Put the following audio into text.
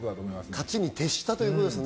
勝ちに徹したということですね。